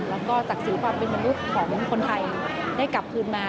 แล้วก็ศักดิ์ศรีความเป็นมนุษย์ของคนไทยได้กลับคืนมา